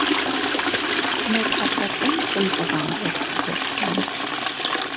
Մեկ հատվածում ծնծղան է օգտագործվում։